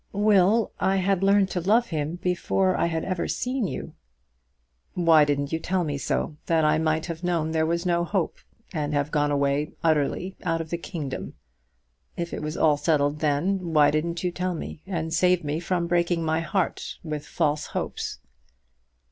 "Will, I had learned to love him before I had ever seen you." "Why didn't you tell me so, that I might have known there was no hope, and have gone away utterly, out of the kingdom? If it was all settled then, why didn't you tell me, and save me from breaking my heart with false hopes?"